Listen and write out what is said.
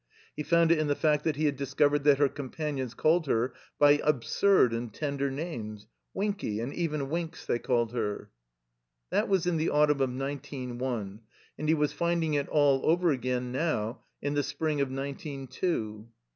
He found it in the fact he had discovered that her companions called her by absurd and tender names; Winky, and even Winks, they called her. That was in the autmnn of nineteen one; and he was finding it all over again now in the spring of nineteen two.